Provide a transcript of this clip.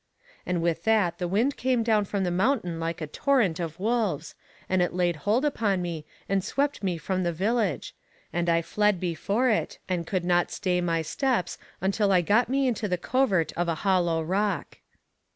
And with that the wind came down from the mountain like a torrent of wolves, and it laid hold upon me and swept me from the village, and I fled before it, and could not stay my steps until I got me into the covert of a hollow rock.